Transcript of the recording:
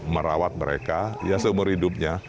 merawat mereka seumur hidupnya